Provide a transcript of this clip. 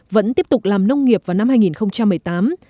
vẫn tiếp tục làm nông nghiệp vào năm hai nghìn một mươi tám